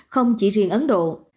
không chỉ riêng ấn độ